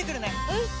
うん！